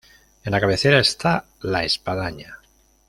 En la cabecera está la espadaña.